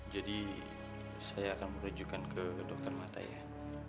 jadi saya akan merujukan ke dokter mata ya